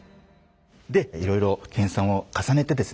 でいろいろ研さんを重ねてですね